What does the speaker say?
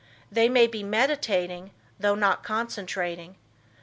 They may be meditating, though not concentrating.